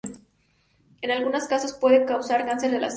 En algunos casos puede causar cáncer a las aves.